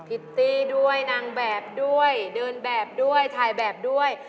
ิตตี้ด้วยนางแบบด้วยเดินแบบด้วยถ่ายแบบด้วย